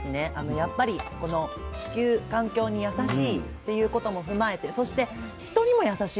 やっぱりこの地球環境に優しいっていうことも踏まえてそして人にも優しいなと思いました。